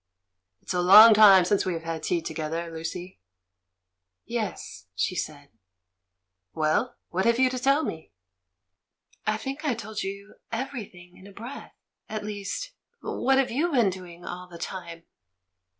"It's a long time since we had tea together, Lucy!" "Yes," she said. 244 THE MAN WHO UNDERSTOOD WOMEN "Well, what have you got to tell me?" "I think I told you everything in a breath; at least What have you been doing all the time?"